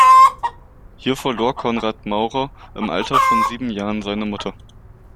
Hier verlor Konrad Maurer im Alter von sieben Jahren seine Mutter.